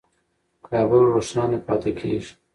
کابل روښانه پاتې کېږي.